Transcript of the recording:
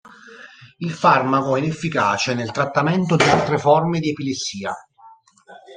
Il farmaco è inefficace nel trattamento di altre forme di epilessia.